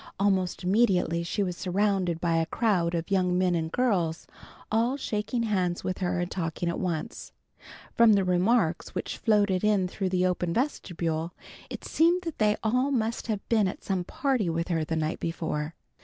Almost immediately she was surrounded by a crowd of young men and girls, all shaking hands with her and talking at once. From the remarks which floated in through the open vestibule, it seemed that they all must have been at some party with her the night before.